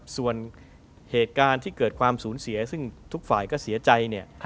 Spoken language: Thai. ส่วนเหตุการณ์ที่เกิดความสูญเสียซึ่งทุกฝ่ายก็เสียใจเนี่ย